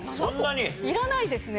いらないですね。